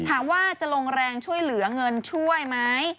ถามว่าจะลงแรงช่วยเหลือเงินช่วยไหม